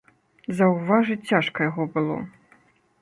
Заўважыць цяжка яго было.